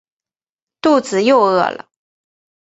肚子又饿了